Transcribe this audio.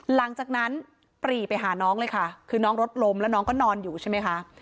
หลังจากนั้นปรีไปหาน้องเลยค่ะคือน้องรถล้มแล้วน้องก็นอนอยู่ใช่ไหมคะ